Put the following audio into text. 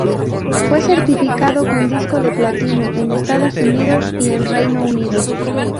Fue certificado con disco de platino en Estados Unidos y en Reino Unido.